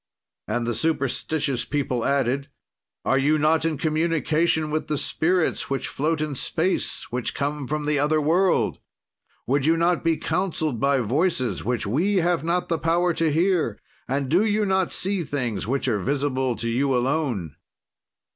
"And the superstitious people added: "'Are you not in communication with the spirits, which float in space, which come from the other world? "Would you not be counseled by voices which we have not the power to hear, and do you not see things which are visible to you alone?'